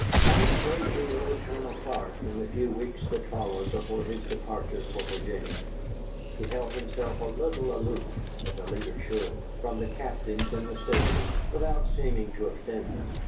I was a great deal with Colonel Clark in the few weeks that followed before his departure for Virginia. He held himself a little aloof (as a leader should) from the captains in the station, without seeming to offend them.